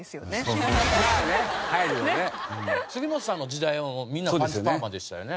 杉本さんの時代はみんなパンチパーマでしたよね。